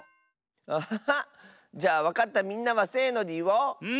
アハハ！じゃあわかったみんなはせのでいおう！